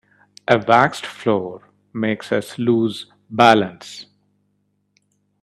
A waxed floor makes us lose balance.